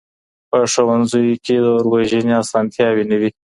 په ښوونځیو کي د اور وژنې اسانتیاوي نه وي.